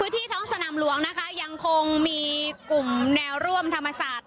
ที่ท้องสนามหลวงนะคะยังคงมีกลุ่มแนวร่วมธรรมศาสตร์